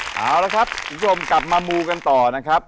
เอาละครับคุณผู้ชมกลับมามูกันต่อนะครับ